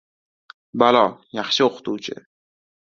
• Balo ― yaxshi o‘qituvchi.